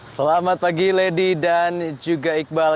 selamat pagi lady dan juga iqbal